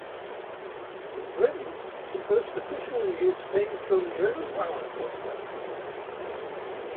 In Britain, the first official news came from German wireless broadcasts.